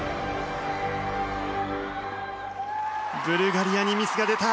ブルガリアにミスが出た。